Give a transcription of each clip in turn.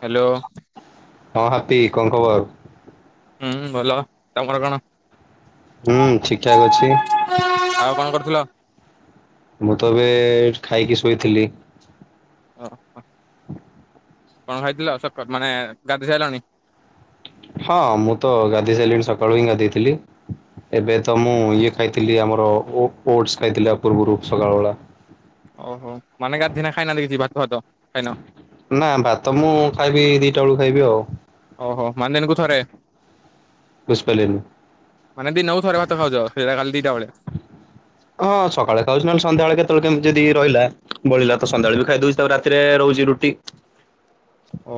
Hello. ହଁ ହାତୀ କଣ ଖବର। ହୁଁ ଭଲ ତମର କଣ। ହୁଁ ଠିକ୍ ଠାକ୍ ଅଛି। ଆଉ କଣ କରୁଥିଲ। ମୁଁ ତ ଏବେ ଖାଇକି ଶୋଇଥିଲି। ଓହୋ କଣ ଖାଇଥିଲ ସକ ମାନେ ଗାଧେଇ ସାଇିଲଣି। ହଁ ମୁଁ ତ ଗାଧେଇ ସାରିଲିଣି ସକାଳୁ ହିଁ ଗାଧେଇଥିଲି। ଏବେ ତ ମୁଁ ଇଏ ଖାଇଥିଲି ଆମର ଓ ଓଢ଼ସ୍ ଖାଇଥିଲା ପୂର୍ବରୁ ସକାଳ ବେଳା‌। ଓହୋ ମାନେ ଗାଧେଇନା ଖାଇନାହାନ୍ତି କିଛି ଭାତ ଫାତ? ଖାଇନ ନା ଭାତ ମୁଁ ଖାଇବି ଦିଟା ବେଳକୁ ଖାଇବି ଆଉ। ଓହୋ ମାନେ ଦିନକୁ ଥରେ। ବୁଝିପାରିଲେନି। ମାନେ ଦିନକୁ ଥରେ ଭାତ ଖାଉଚ ସେଇଟା ଖାଲି ଦିଟା ବେଳେ। ହଁ ସକାଳେ ଖାଉଚି ନହେଲେ ସଧ୍ୟାବେଳେ କେତେବେଳେ କେମିତି ଯଦି ରହିଲା। ବଳିଲା ତ ସନ୍ଧ୍ୟାବେଳେ ବି ଖାଇ ଦଉଚି ତାପରେ ରାତିରେ ରହୁଚି ରୁଟି। ଓ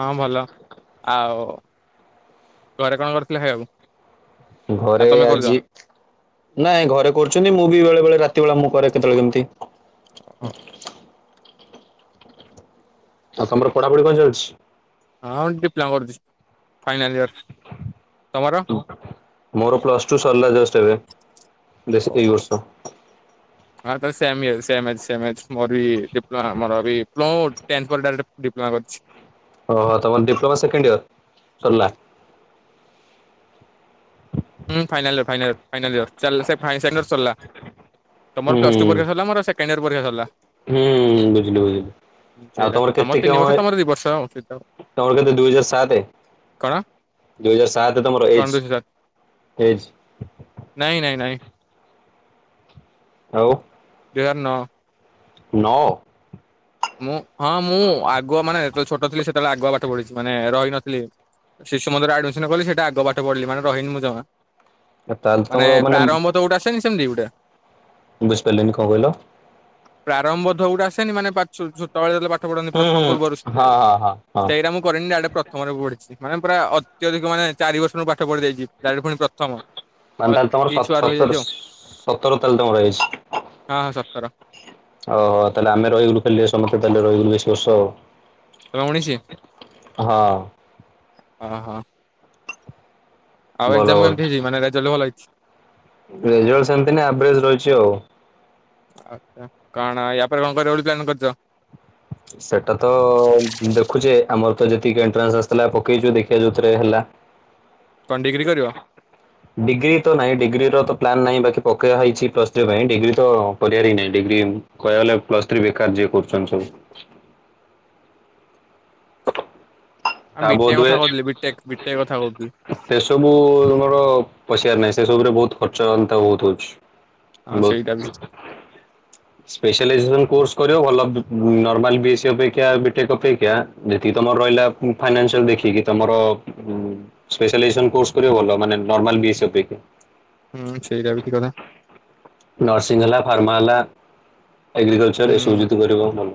ହଁ ଭଲ ଆଉ। ଘରେ କଣ କରିଥିଲେ ଖାଇବାକୁ। ନା ଘରେ ତମେ କରୁଛ? ଆଜି ନାଇଁ ଘରେ କରୁଛନ୍ତି ମୁଁ ବି ବେଳେ ବେଳେ ରାତି ବେଳେ ମୁ ପରେ କେତେବେଳେ ଓହୋ କେମିତି ଆଉ ତମର ପଢାପଢି କଣ ଚାଲିଚି। ହଁ ଡିପ୍ଲା କରୁଛି ଫାଇନାଲ ଇୟର ତମର ମୋର ପ୍ଲସ୍ ଟୁ ସରିଲା ଜଷ୍ଟ ଏବେ ବେଶୀ ଓହୋ ଏଇ ହଁ ବର୍ଷ। ଟେମେସ୍ ସେସେଯ୍ ମୋର ବି ଡିପ୍ଲୋମା ମୋର ବି ପ୍ଲଟ୍ ଣ୍ଟେପେରଟ୍ ଡିପ୍ଲୋମା କରିଚି। ଓହୋ ତମର ଡିପ୍ଲୋମା ସେକେଣ୍ଡ ଇୟର ସରିଲା। ହୁଁ final year final year final year ଚାଲା ସେ ଫାଇନାଲୟର ସରିଲା। ହୁଁ ତମର ପ୍ଲସ୍ ଟୁ ପରୀକ୍ଷା ସରିଲା ମୋର ସେକେଣ୍ଡ ଇୟର ପରୀକ୍ଷା ସରିଲା। ହୁଁ ବୁଝିଲି ବୁଝିଲି। ଆଉ ସେଇଟା ତମର ଆମର କେତେ ତିନି କଣ ବର୍ଷ ତମର ଦି ବର୍ଷ ସେଇଟା ତମର କେତେ ଦୁଇ ହଜାର ସାତେ। କଣ ଦୁଇ ହଜାର ସାତରେ ତମର କଣ ଏଜ୍ ଦୁଇ ହଜାର ଏଜ୍। ନାଇ ଆଉ ଦୁଇହଜାର ନଅ। ନଅ। ମୁଁ ହଁ ମୁଁ ଆଗୁଆ ମାନେ ଯେତେବେଳେ ଛୋଟ ଥିଲି ସେତେବେଳେ ଆଗୁଆ ପାଠ ପଢ଼ିଚି। ମାନେ ରହିନଥିଲି ଶିଶୁ ମନ୍ଦିରରେ ଆଡମିଶନ୍ କଲି ସେଟା ଆଗ ପାଠ ପଢିଲି ମାନେ ରହିନି ମୁଁ ଜମା। ତାହେଲେ ମାନେ ତମର ପ୍ରାରମ୍ଭ ତ ଗୋଟେ ଆସେନି ସେମତି ଗୋଟେ। ବୁଝିପାରିଲନି କଣ କହିଲ। ପ୍ରାରମ୍ଭ ଧଉୋଟା ଆସନି ମାନେ ପାଛୋ ଛୁ ଛୁ ତଳେ ଯେତେବେଳେ ପା ପାଠ ପଢ଼ନ୍ତି ହୁଁ ପ୍ରଥମ ହୁଁ ପୂର୍ବରୁ ସେ ହଁ ହଁ ହଁ ହଁ ସେଇଟା ମୁଁ କରିନି ଡାଇରେକ୍ଟ ପ୍ରଥମ ରୁ ମୁ ପଢିଛି। ମାନେ ପୁରା ଅତ୍ୟଧିକ ମାନେ ଚାରି ବର୍ଷରୁ ପାଠ ପଢି ଦେଇଚି ଡାଇରେକ୍ଟ ପୁଣି ପ୍ରଥମ। ମାନେ ତାହେଲେ ତମର ସ ଅତି ଛୁଆରୁ ସତର ରହିଯାଇଚି ହଁ ସତର ତାହେଲେ ତମର ଏଜ୍ ହଁ ସତର। ଓହୋ ତାହେଲେ ଆମେ ରହିଗଲୁ ଖାଲି ସମସ୍ତେ ତାହେଲେ ରହିଗଲୁ ବେଶୀ ବର୍ଷ ଆଉ। ଉଣେଇଶି ହଁ ଓ ହୋ। ଆଉ ଏଗ୍ ଭଲ ଜାମ୍ ଭଲ ଏମିତି ହେଇଚି ମାନ ରେଯେଲ୍ଟ୍ ଭଲ ହେଇଚି। ରେଜଲ୍ଟ ସେମତି ନାଇଁ ଆଭରେଜ୍ ରହିଚି ଆଉ। ଆଛା କଣ ଆପରେ କଣ କରବ ବୋଲି ପ୍ଲାନ୍ କରିଚ। ସେଟା ତ ଦେଖୁଛେ ଆମର ତ ଯେତିକି ଏଣ୍ଟ୍ରାନ୍ସ ଆସିଥିଲା ପକେଇଛୁ ଦେଖିବା ଯୋଉଥିରେ ହେଲା। [inaudible] କଣ ଡିଗ୍ରୀ କରିବ ଡିଗ୍ରୀ ତ ନାଇଁ ଡିଗ୍ରୀ ର ତ ପ୍ଲାନ ନାହିଁ। ବାକିପକେଇବା ହେଇଛି ପ୍ଲସ ଥ୍ରୀ ପାଇଁ ଡିଗ୍ରୀ ତ କରିବାର ହି ନାଇଁ, ଡିଗ୍ରୀ କହିଆକୁ ଗଲେ ପ୍ଲସ ଥ୍ରୀ ବେକାର ଯିଏ କରୁଛନ୍ତି ସବୁ। ଆମେ ତା ବୋଧ ବିଟେକ୍ କଥା ହୁଏ କହୁଥିଲି ବିଟେକ୍ ବିଟେକ୍ କଥା କହୁଥିଲି ସେସବୁ ତମର ପଶିଆର ନାହିଁ। ସେ ସବୁରେ ବହୁତ ଖର୍ଚ୍ଚ ଏନ୍ତା ବହୁତ ହଉଛି। ହଁ ବହୁତ ସେଇଟା ବି ସ୍ପେଶାଲାଇଜସେନ କୋର୍ସ। କରିବ ଭଲ ନର୍ମାଲ ବି ଏ ସି ଅପେକ୍ଷା ବି ଟେକ ଅପେକ୍ଷା ଯେତିକି ତମର ରହିଲା ଫାଇନାନ୍ସିଆଲ ଦେଖିକି ତମର ନର୍ସ୍ପେଶାଲାଇଜସେନ କୋର୍ସ କରିବା ଭଲ ମାନେ ନର୍ମାଲ ବି ଏ ସି ଅପେକ୍ଷା। ହୁଁ ସେଇଟା ବି ଠିକ କଥା। ନର୍ସିଂ ହେଲା, ଫାର୍ମା ହେଲା, ଏଗ୍ରିକଲଚର ଏସବୁ ହୁଁ ଯଦି କରିବ ଭଲ।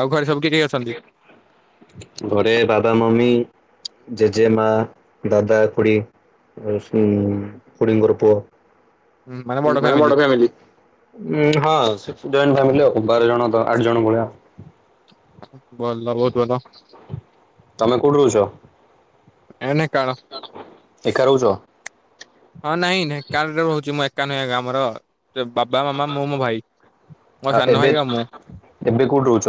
ଆଉ ଘରେ ସବୁ କିଏ କିଏ ଅଛନ୍ତି? ଘରେ ବାବା ମମି ଜେଜେମା ଦାଦା ଖୁଡ଼ିୀ ହୁଁ [unintelligible] ଖୁଡ଼ିଙ୍କର ପୁଅ। ହୁଁ, ବଡ ମାନେ ଫ୍ୟାମିଲି ବଡଫ୍ୟାମିଲି ଉଁ -ହଁ ସେ ଜଏଣ୍ଟ ଫ୍ୟାମିଲି ଆଉ ବାର ଜଣ ତ ଆଠ ଜଣ ଭଳିଆ। ଭଲ ବହୁତ ଭଲ ତମେ କୋଉଠି ରହୁଛ? ଏ ଢେଙ୍କାନାଳ ଏକା ରହୁଛ? ହଁ ନାଇଁ ନାଇଁ ଏକା ରେ ରହୁଛି ମୁଁ ଏକା ନୁହେଁ ଆମର ବାବା ମାମା ମୁଁ ମୋ ଭାଇ ମୋ ଆଉ ସାନ ଏବେ ଭାଇ ଆଉ ମୁଁ। ଏବେ କୋଉଠି ରହୁଛ?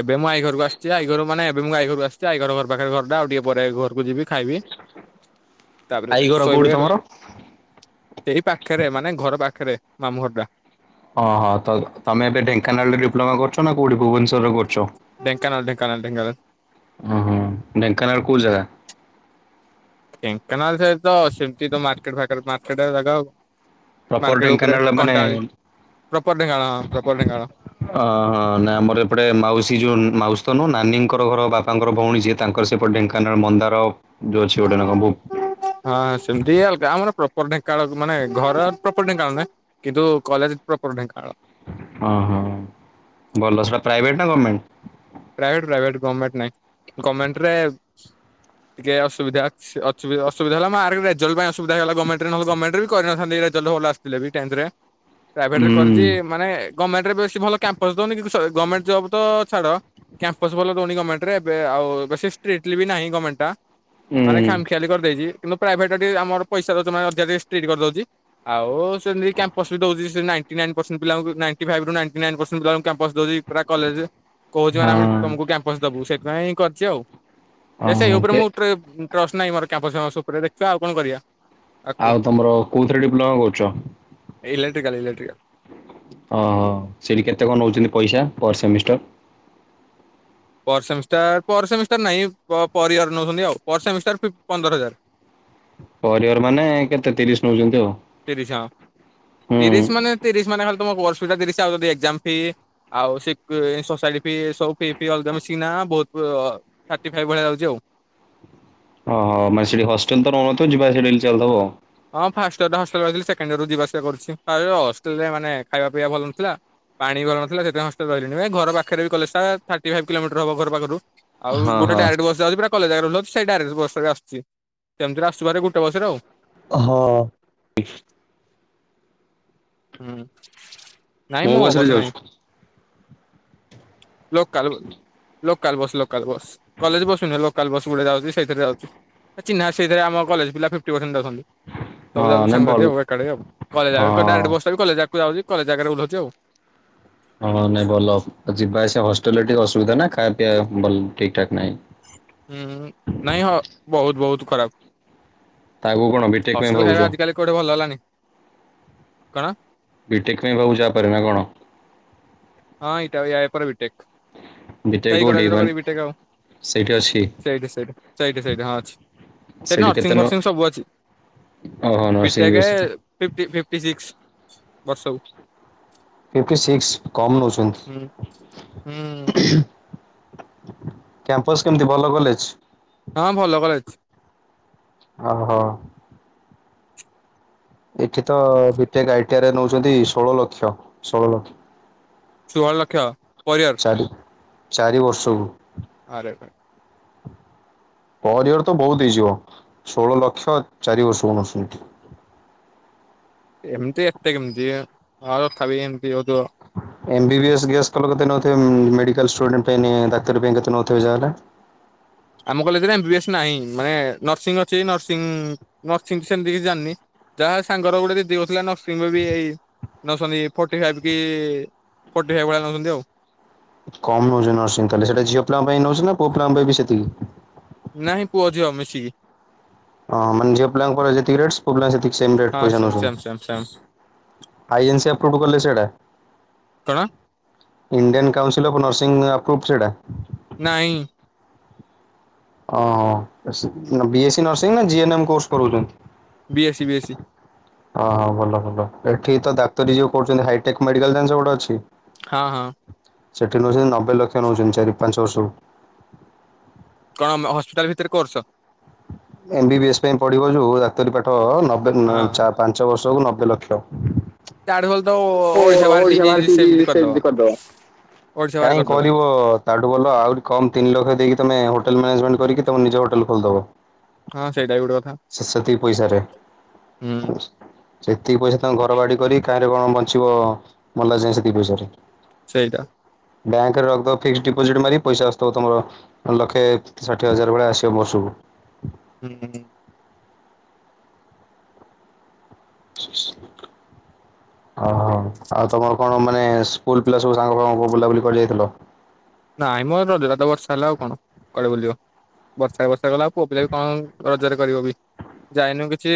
ଏବେ ମୁଁ ଆଇ ଘରକୁ ଆସିଛି, ଆଇ ଘରୁ ମାନେ ଏବେ ମୁଁ ଆଈ ଘରକୁ ଆସ ଆଇ ଘର ପାଖରେ ଘରଟା ଆଉ ଟିକେ ପରେ ଘରକୁ ଯିବି ଖାଇବି, ତାପରେ ଆଈ ଘର ଶୋଇବି କୋଉଠି ହେଇଠୁ ତମର? ଏହି ପାଖରେ ମାନେ ଘର ପାଖରେ ମାମୁଁଘରଟା ଓଁ- ହଁ ତ ତମେ ଏବେ ଢେଙ୍କାନାଳରେ ଡିପ୍ଲୋମା କରୁଛ ନା କୋଉଠି ଭୁବନ ଢେଙ୍କାନାଳ ଢେଙ୍କାନାଳ ଢେଙ୍କାନାଳ ହୁଁ - ହୁଁ ଢେଙ୍କାନାଳର କୋଉ ଜାଗା? ଢେଙ୍କାନାଳ ସେଇଟି ତ ସେମିତି ତ ମାର୍କେଟ ଫାର୍କେଟ ମାର୍କେଟ ଜାଗା ପ୍ରପର୍ ମାର୍କେଟ ଉପରେ ଢେଙ୍କାନାଳ ମାନେ କଣ୍ଟାଆଳି ପ୍ରପର ଢେଙ୍କାନାଳ ହଁ ଅ ପ୍ରପର ଢେଙ୍କାନାଳ। ହଁ ନାଇଁ ଆମର ଏପଡେ ମାଉସୀ ଯୋଉ ମାଉସୀ ତ ନୁ ନାନିଙ୍କର ଘର ବାପାଙ୍କର ଭଉଣୀ ଯିଏ, ତାଙ୍କର ସେପଟେ ଢେଙ୍କାନାଳ ମନ୍ଦାର ଯୋଉ ଅଛି ଗୋଟେ ନା କଣ ଭୁ ହଁ ସେମିତି ଆଉ ଗାଁ ଆମର ପ୍ର ପ୍ରପର ଢେଙ୍କାନାଳ ମାନେ ଘର ପ୍ରପର ଢେଙ୍କାନାଳ ନା, କିନ୍ତୁ କଲେଜ ପ୍ରପର ଢେଙ୍କାନାଳ। ହଁ- ହଁ ଭଲ ସେଟା ପ୍ରାଇଭେଟ ନା ଗଭର୍ମେଣ୍ଟ? ପ୍ରାଇଭେଟ ପ୍ରାଇଭେଟ ଗମେଣ୍ଟ ନାଇଁ ଗମେଣ୍ଟରେ ଟିକେ ଅସୁବିଧା ଅ ଅସୁବିଧା ହେଲା ମାର୍କ ରେଜଲ୍ ପାଇଁ ଅସବିଧା ହେଇଗଲା, ଗମେଣ୍ଟ ରେ ନହେଲେ ଗମେଣ୍ଟ ବି କରିନଥାନ୍ତି ଆସିଥିଲେ [unintelligible] ପ୍ରାଇଭେଟ୍ ରେ କରିଚି ହୁଁ। ମାନେ ଗମେଣ୍ଟରେ ବେଶି ଭଲ କ୍ୟାମ୍ପସ ଦଉନି କି ଗମେଣ୍ଟ ଜବ୍ ତ ଛାଡ଼ କ୍ୟାମ୍ପସ ଭଲ ଦଉନି ଗମେଣ୍ଟରେ ଏବେ ଆଉ ବେଶି ଷ୍ଟ୍ରିଟ୍ଲି ବି ନାହିଁ ଗମେଣ୍ଟଟା। ମାନେ ହୁଁ। ଖାମଖିଆଲି କରିଦେଇଛି କିନ୍ତୁ ପ୍ରାଇଭେଟ ଟା ଟିକେ ଆମର ପଇସା ଦେଉଛି ମାନେ ଅଧିକ ଷ୍ଟ୍ରିଟ୍ କରିଦଉଚି, ଆଉ ସେମିତି କ୍ୟାପସ୍ ବି ଦେଉଛି ନାଇ ନାଇଁଟି ନାଇନ ପରସେଣ୍ଟ ପିଲା ନାଇଟି ଫାଇଭରୁ ନାଇଁଟି ନାଇନ ପରସେଣ୍ଟ କ୍ୟାମ୍ପସ ଦଉଚି ପୁରା କଲେଜ । କହୁଛି ମାନେ ଆମେ ହଁ ତମକୁ କ୍ୟାମ୍ପସ ଦବୁ ସେଥିପାଇଁ କରିଛି ଆଉ। ଯେ ଓହୋ ସେଇ ଉପରେ କେ ମୁଁ [unintelligible] ଟ୍ରଷ୍ଟ ନାହିଁ ମୋର କ୍ୟାମ୍ପସ ଫ୍ୟାମ୍ପସ ଉପରେ, ଦେଖିବା ଆଉ କଣ କରିବା ଆକୁ ଆଉ ତମର କୋଉଥିରେ ଡିପ୍ଲୋମା କରୁଛ? Electrical electrical. ଓ ହୋ ସେଠି କେତେ କଣ ନଉଛନ୍ତି ପଇସା? Per semester. Per semester per semester ନାଇଁ ପର ଇୟର୍ ନଉଛନ୍ତି ଆଉ, ପର ସେମିଷ୍ଟାର ପନ୍ଦର ହଜାର ପର ଇୟର୍ ମାନେ କେତେ ତିରିଶ ନଉଛନ୍ତି ଆଉ ତିରିଶ ହଁ ହୁଁ? ତୁମକୁ ବର୍ଷକୁ ତିରିଶି ଆଉ ଯଦି ଏକଜାମ୍ ଫି ଆଉ ସୋସାଇଟୀ ଫି ଏ ସବୁ ଫି [unintelligible] ବହୁତ ଥାର୍ଟିଫାଇଭ ଭଳିଆ ଯାଉଛି ଆଉ ଓହୋ ମାନେ ସେଠି ହଷ୍ଟେଲ ତ ନଉନଥିବା ଯିବା ଆସିବା ଡେଲି ଚାଲୁଥିବ ଆଉ। ହଁ ଫାଷ୍ଟ ଇୟର ରେ ହଷ୍ଟେଲରେ ଥିଲେ ସେକେଣ୍ଡ ଇୟରରୁ ଯିବା ଆସିବା କରୁଛି ଫାଷ୍ଟୟର୍ ହଷ୍ଟେଲ ରେ ମାନେ ଖାଇବା ପିଇବା ଭଲ ନଥିଲା। ପାଣି ଭଲ ନ ଥିଲା ସେଥିପାଇଁ ହଷ୍ଟେଲ ରହିଲିନି ଏ ଘର ପାଖରେ ବି କଲେଜଟା ଥାର୍ଟି ଫାଇଭ୍ କିଲୋମିଟର ହବ ଘର ପାଖରୁ। ଆଉ ହଁ ଗୋଟେ ହଁ। ଡାଇରେଟ ବସ ଯାଉଛି ପୁରା କଲେଜ ଆଗରେ ଓଲ୍ହଉଛି । ସେଇ ଡାଇରେକ୍ଟ ବସ ରେ ଆସୁଛି ସେମିତିରେ ଆସୁ ହାରି ଗୋଟେ ବସରେ ଆଉ। ହଁ। ହୁଁ। ମୋ ବସ ରେ ଯାଉଛୁ। Local local bus local bus college bus ନୁହେଁ ଲୋକାଲ ବସ୍ ଗୁଟେ ଯାଉଛି। ସେଥିରେ ଯାଉଛୁ ଚିହ୍ନା ଅଛି ସେଥିରେ ଆମ କଲେଜ୍ ପିଲା ସିଷ୍ଟି ପରସେଟେଜ୍ ପିଲା ଯାଉଛନ୍ତି। ପଳେଇ ହଁ ଯାଉଛୁ ନାଇଁ ସାଙ୍ଗ ସାଥୀ ଭଲ ଆଉ ଏକାଲେ ଆଉ କଲେଜକୁ ଡାଇରେକ୍ଟ ହଁ। ବସ। କଲେଜ ଆଗକୁ ଯାଉଛି କଲେଜଆଗରେ ଓହ୍ଲଉଛି ଆଉ ହଁ ନାଇଁ ଭଲ ଯିବା ଆସିବା ହଷ୍ଟେଲ ରେ ଟିକେ ଅସୁବିଧା ନା ଖାଇବା ପିଇବା ଭଲ ଠିକ ଠାକ ନାହିଁ। ହୁଁ ନାଇଁ ହଁ ବହୁତ ବହୁତ ଖରାପ। ତା ଆଗକୁ କଣ ବିଟେକ୍ ପାଇଁ ହଷ୍ଟେଲ ଭାବୁଛ ଖାଇବା ଆଜିିକାଲି କୋଉଠେ ଭଲ ହେଲାନି କଣ? ବିଟେକ ପାଇଁ ବହୁ ଚାପ ନା କଣ? ହଁ ଏଇଟା ୟାପରେ ବିଟେକ୍ ବିଟେକ୍ ସେଇ କୋଉଠି କଲେଜରେ ମାନେ କରିବି ବିଟେକ୍ ଆଉ। ସେଇଠି ଅଛି ସେଇଠି ସେଇଠି ସେଇଠି ସେଇଠି ହଁ ଅଛି ସେଇଠି କେତେ ନରସିଂ ନ ଫରସିଂ ସବୁ ଅଛି। ଓହୋ ନର୍ସିଂ ବି ବିଟେକ୍ ଅଛି। ଫି ଫିଫଟି ସିକ୍ସ ବର୍ଷକୁ। ଫିଫଟି ସିକ୍ସ କମ୍ ହୁଁ ହୁଁ ନଉଛନ୍ତି। କ୍ୟାମ୍ପସ କେମିତି ଭଲ କଲେଜ? ହଁ ଭଲ କଲେଜ। ଓ ହୋ। ଏଠି ତ ବିଟେକ ଆଇଟିଆରେ ନଉଛନ୍ତି ଷୋହଳ ଲକ୍ଷ ଷୋହଳ ଷୋହଳ ଲକ୍ଷ। ପରିୟର ଚାରି ଚାରି ବର୍ଷକୁ। ଆରେ ଭାଇ। ପର ଇୟର ତ ବହୁତ ହେଇଯିବ ଷୋହଳ ଲକ୍ଷ ଚାରି ବର୍ଷକୁ ନଉଛନ୍ତି। ଏମିତି ଏତେ କେମିତି ଅ ତଥାପି ଏମିତି ହଉଥିବ। M B B S guess କଲୁ କେତେ ନଉଥିବେ ମ୍ ମ୍ ମେଡିକାଲ ଷ୍ଟୁଡେଣ୍ଟ ଙ୍କ ପାଇଁ ନେ [unintelligible] କେତେ ନାଉଥିବେ ଯାହା ହେଲେ। ହ ଆମ କଲେଜରେ ଏମବି ଏସ୍ ନାହିଁ ମାନେ ନର୍ସିଂ ଅଛି ନର୍ସିଂ ନର୍ସିଂ ସେମିତି କିଛି ଜାଣିନି। ଯାହା ସାଙ୍ଗର ଗୋଟେ ଦିଦି କରୁଥିଲା [unintelligible] ନଉଛନ୍ତି ଫୋର୍ଟି ଫାଇଭ କି ଫୋର୍ଟି ଫାଇଭ ଭଳିଆ ନଉଛନ୍ତି ଆଉ। କମ୍ ନବେ ବି ସେତିକି। ନାଇଁ ପୁଅ ଝିଅ ମିଶିକି। ହଁ ମାନେ ଝିଅ ପିଲାଙ୍କର ଯେତିକି ଟ ପୁଅ ସେତିକି ହଁ ପଇସା ସେମ୍ ସେମ୍ ସେମ୍ ନଛନ୍ତି ସେମ୍ ଆଇ ଏନ୍ସି ଆପ୍ରୁଭ କଲେ ସେଇଟା କଣ ଇଣ୍ଡିଆନ୍ କାଉନ୍ସିଲ୍ ଅଫ୍ ନର୍ସ ଇଁ ଅପ୍ରୁଁ ସେଇଟା। ନାଇ। ଓ ବି ଏସି ନସିଂ ନା ଜିଏନ କୋର୍ସ ବି କରୁଛନ୍ତି। BS C BSc. ହଁ ହ ଭଲ ଭଲ ଏଠି ତ ଡାକ୍ତରୀ ଯ କୁଛନ୍ତି ହାଇଟେକ୍ ମେଡିକାଲ ଜସ ଗୋଟେ ଅଛି। ହଁ ହ। ସେଠି ନଉଛନ୍ତି ନବେ ଲକ୍ଷ ନଉଛନ୍ତି ଚାରି ପାଞ୍ଚ ବର୍ଷକୁ। ତମେ ହସ୍ପିଟାଲ ଭିତରେ କରୁଛ। ଏମବ ବି ଏସ୍ ପାଇଁ ପଢିବ ଯୋଉ ଡାକ୍ତରୀ ପାଠ ନବେ ପାଞ୍ଚ ବର୍ଷକୁ ନବେ ଲକ୍ଷ। ତାଡ ମ ହ ସେବ ସି କରିଦବ ସେମୀତି କରିଦବା। ଓଡିଶା ବାହାରେ କାହିଁ କରିଦବ। କରିବ ତାଠୁ ଭଲ, ଆହୁରି କମ ତିନି ଲକ୍ଷ ଦେଇକି ତମେ ହୋ ମେଜେଣ୍ କରିକିମ ନିଜୋେଲୋଲିଦବ [unintelligible] ହଁ ସେଇଟା ବି ଗୋଟେ କଥା ସେତିକି ପଇସାରେ ହୁଁ ସେତିକି ପଇସା ତାଙ୍କଙ୍କୁ ଘର ବାଡି କରି କାହିଁରେ କଣ ବଞ୍ଚିବ, ସେଇଦା ବ୍ୟାଙ୍କରେ ରଖିଦେବ ଫିକ୍ସ ଡିପୋଜିଟ୍ ମାରି ହୁଁ [inaudible] ଓହୋ, ଆଉ ତମର କଣ ମାନେ ସ୍କୁଲ ପିଲା ସବୁ ସାଙ୍ଗ ସାଙ୍ଗ ବୁଲାବୁଲି କରି ଯାଇଥିଲ? ନାଇଁ ମ [unintelligible] ରହିଲି ରାତ ବର୍ଷା ହେଲା ଆଉ କଣ କୁଆଡେ ବୁଲିବ । ବର୍ଷା ବର୍ଷା ଗଲା ଆଉ ପୁଅ ପିଲା ବି କଣ ରଜରେ କରିବ ବି ଯାଇନୁ, କିଛି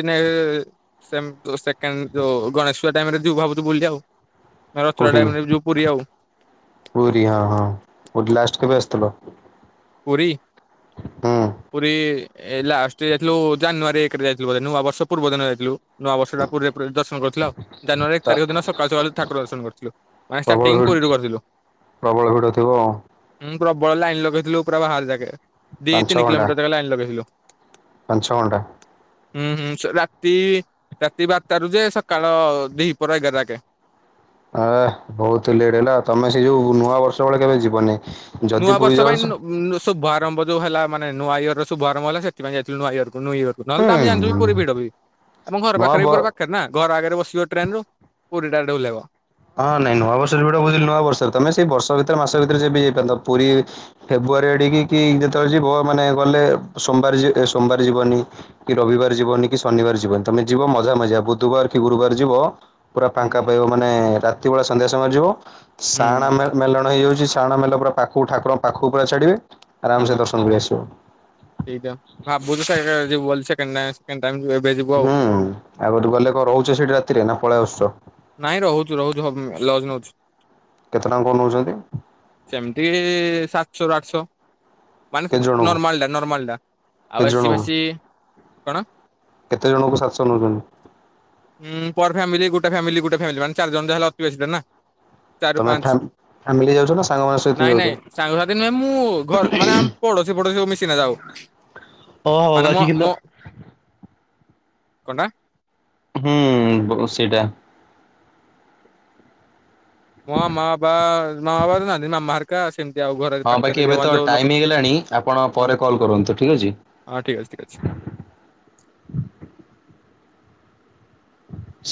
ସେଣ୍ଡ ଯଉ ଗଣେଶ ଟାଇରେ ଯିବୁ ଭାବୁଛୁ ବୁଲି ମୋ ରଥର କୋଉଠିକି? ଡାଇମ ଯିବୁ ପୁରୀ ଆଉ ପୁରୀ ହଁ ହଁ ପୁରୀ ଲାଷ୍ଟ ହ କେବେ ଆସିଥିଲ? ପୀ ହୁଁ ପ [unintelligible] ଲାଷ୍ଟ ଯାଇଥିଲୁ ଜାନୁଆରୀ ଏକରେ ଯାଇଥିଲୁ, ନୂଆ ବର୍ଷ ପୂର୍ବ ଦିନ ଯାଇଥିଲୁ । ନୂଆବର୍ଷଟା ପୁରୀ ଦର୍ଶନ କରିଥିଲା, ଆଉ ଜାନୁଆାରୀ ଏକ ତା ତାରିଖ ଦିନ ସକାଳୁ ସକାଳୁ ଠାକୁର ଦର୍ଶନ କରିଥିଲୁ, ମାନେ ପ୍ରବଳ ଷ୍ଟାର୍ଟିଂ ଭିଡ଼ କରିଠ କରି [unintelligible] ପ୍ରବଳ ଭିଡ ଥିବ । ପ୍ରବଳ ଲାଇନ ଲଗେଇଥିଲୁ ପୁରା ବାହାର ଯାକେ, ଦି ତିନି କିଲୋମିଟର ଯାଗା ଲାଇନ ଲଗେଇଥିଲୁ । ପଞ୍ଚଗଣ୍ଡା ହୁଁ ହୁଁ ରାତି, ରାତି ବାରଟାରୁ ଯେ ସକାଳ ଦିପହର ଏଗାର ଯାକେ ହ [inaudible] ଏ ବହୁତ ଲେଟ୍ ହେଲା, ତମେ ସେ ଯୋଉ ନୂଆ ବର୍ଷ ବେଳେ କେବେ ଯିବନି । ନୂଆ ବର୍ଷ ପାଇଁ ଶୁଭଆରମ୍ଭ ଯୋଉ ହେଲା ମାନେ ନୂଆ ଇୟର ର ଶୁଭ ଆରମ୍ଭ ହେଲା, ସେଥିପାଇଁ ଯାଇଥିଲୁ ନୂଆ ଇୟର [unintelligible] ଇକୁ ନହେଲେ ଆମ ହୁଁ ଜାଣିଛୁି ପୁର ଭିଡ ବି ଆମ ଘର ନୂଆ ପାଖରେ ବି ପୁରା ବ ପାଖରେ ନା ଘର ଆଗରେ ବସିବ ଟ୍ରେନ ରୁ, ପୁରୀ ଟାଡେ ଓଲ୍ହେଇବ । ହଁ ନାଇଁ ନୂଆ ବର୍ଷ ଯଟା ବୁଝିଲ ନୂଆ ବର୍ଷରେ, ତମେ ସେଇ ବର୍ଷ ଭିତରେ ମାସ ଭିତରେ ବି ଯାଇପାର ପୁରୀବ ଏଡିକି କି ଯେତେବେଳେ ଯିବ ମାନେ ଗଲେ ସୋମବାର, ସୋମବାର ଯିବନି କି ରବିବାର ଯିବ ବନି କି ଶନିବାର ଯିବନି, ତମେ ଯିବ ମଜା ମଜା ବୁଧବାର କି ଗୁରୁବାର ଯିବ ପୁରା ହୁଁ ଫାଙ୍କା ପାଇବ ମାନେ ରାତି ବେଳେ ସନ୍ଧ୍ୟା ସମୟ ଯିବ, ସାଣା ହୁଁ ମେଲଣ ହେଇଯାଉଛି ଟାଣ ମେଲ ପରା ପାଖକୁ, ଠାକୁରଙ୍କ ପାଖକୁ ପୁରା ଛାଡ଼ିବେ । ହଁଦ ହଁବୁ ତ ସ ଯେ ବଲ ସେ କେ [unintelligible] ହୁଁ, ଆଉ ଗଲେ କଣ ରହୁଛ ସେଠି ରାତିରେ ନା ପଳେଇ ଆସୁଛ? ନାଇଁ ରହୁଛୁ, ରହୁଛୁ, ହ ଲଜ୍ ନଉଛୁ କେତେ ଟଙ୍କା କଣ ନଉଛନ୍ତି । ସେମିତି ସାତ ଆଠଶ, ଆଠଶହ, ମାନେ କେତେ ଜଣଙ୍କୁ ନର୍ମାଲଟା ନର୍ମାଲଟା ଆଉ କେତେ ଏସି ଜଣଙ୍କୁ ବାସି କଣ କେତେ ଜଣଙ୍କୁ ସାତଶହ ନଉଛନ୍ତି ଫାମ ଗୋଟେ [unintelligible] ଗୋଟ ଫାମିଲି, ଗୋଟେ ଫାମିଲ, ମାନ ଚାର ଜଣ ଯା ହେଲେ ଅୀ ନା ଚାରି ତମେ ପାଞ୍ଚ, ଫ୍ୟାମ୍ ଫ୍ୟାମିଲି ଯାଉଛ ନା ସାଙ୍ଗମାନଙ୍କ ସହିତ ନାଇଁ ଯାଉଛ? ନାଇଁ, ସାଙ୍ଗସଥି ନୁହେଁ, ମୁଁ ଘର ମାନେ ଆମ ପଡ ପ ସବୁ ମିଶିନା ଯାଉ ଓ ହଉ, ବାକି କିନ୍ତୁ କନଟା? ହୁଁ ସେଟା । ହ ମ ବା ମ ତ ନାହାନ୍ତି ନାମମହାରରକା [unintelligible] ହଁ ବାକି ଏବେ ତ ଟାଇମ ହେଇଗଲାଣି, ଆପଣ ହଁ ପରେ କଲ୍ କରନ୍ତୁ ଠିକ ଅଛି । ହଁ ଠିକ୍ ଅଛି, ଠିକ୍ ଅଛି।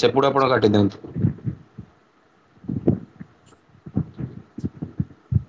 ସେପଟୁ ଆପଣ କାଟିଦିଅନ୍ତୁ । [unintelligible]